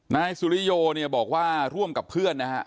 นายสุริโยเนี่ยบอกว่าร่วมกับเพื่อนนะฮะ